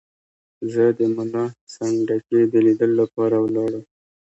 زه د ملا سنډکي د لیدلو لپاره ولاړم.